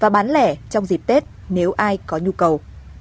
và bán lẻ trong dịp tết nếu ai có nhu cầu